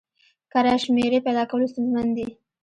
کره شمېرې پیدا کول ستونزمن دي.